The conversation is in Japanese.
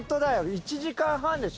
１時間半でしょ？